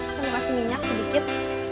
kita kasih minyak sedikit